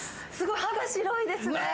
歯が白いですね！